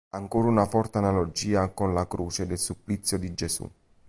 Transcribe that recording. Ancora una forte analogia con la Croce del supplizio di Gesù.